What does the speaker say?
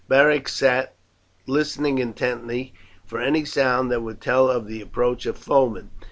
Beric sat listening intently for any sound that would tell of the approach of foemen.